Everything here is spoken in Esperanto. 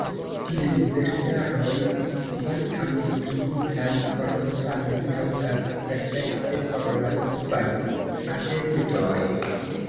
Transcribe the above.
Tiuj bildaroj, kvankam skribitaj por infanoj, taŭgas perfekte por la novaj adeptoj.